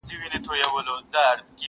که هر څو یې کړېدی پلار له دردونو!.